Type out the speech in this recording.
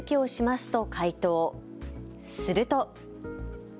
すると。